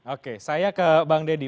oke saya ke bang deddy